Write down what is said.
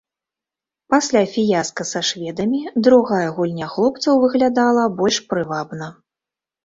Пасля фіяска са шведамі другая гульня хлопцаў выглядала больш прывабна.